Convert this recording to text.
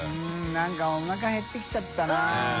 覆鵑おなか減ってきちゃったなうん。